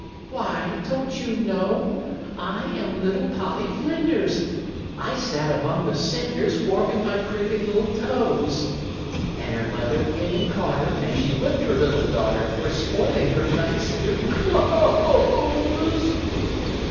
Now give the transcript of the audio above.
"Why, don't you know? I am little Polly Flinders, I sat among the cinders, warming my pretty little toes. 'And her mother came and caught her, and she whipped her little daughter, for spoiling her nice new clothes.'